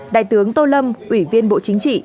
đại tướng tô lâm ủy viên bộ chính trị